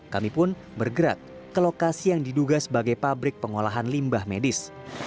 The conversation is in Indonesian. kami pun bergerak ke lokasi yang diduga sebagai pabrik pengolahan limbah medis